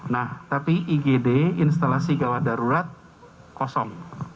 nah tapi igd instalasi gawat darurat kosong